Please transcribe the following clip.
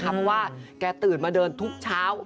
เพราะว่าแกตื่นมาเดินทุกเช้า